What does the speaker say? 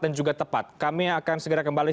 dan juga tepat kami akan segera kembali